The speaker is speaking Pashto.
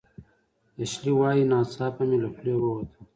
اشلي وايي "ناڅاپه مې له خولې ووتل